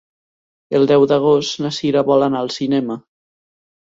El deu d'agost na Sira vol anar al cinema.